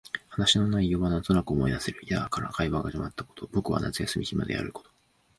話の内容はなんとなく思い出せる。やあ、から会話が始まったこと、僕は夏休み暇であること、